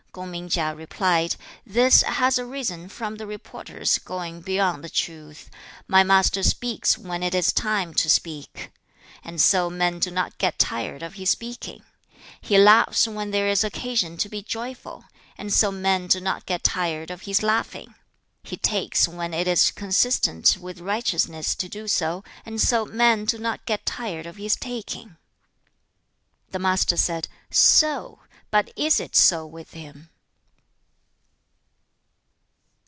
2. Kung ming Chia replied, 'This has arisen from the reporters going beyond the truth. My master speaks when it is the time to speak, and so men do not get tired of his speaking. He laughs when there is occasion to be joyful, and so men do not get tired of his laughing. He takes when it is consistent with righteousness to do so, and so men do not get tired of his taking.' The Master said, 'So! But is it so with him?'